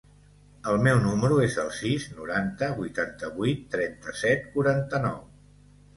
El meu número es el sis, noranta, vuitanta-vuit, trenta-set, quaranta-nou.